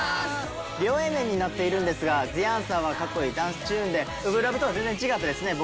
両Ａ面になっているんですが『ＴｈｅＡｎｓｗｅｒ』はかっこいいダンスチューンで『初心ＬＯＶＥ』とは全然違ってですね